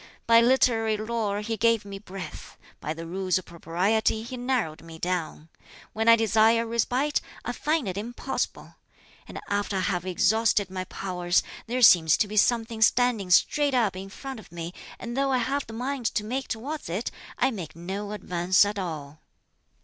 By literary lore he gave me breadth; by the Rules of Propriety he narrowed me down. When I desire a respite, I find it impossible; and after I have exhausted my powers, there seems to be something standing straight up in front of me, and though I have the mind to make towards it I make no advance at all."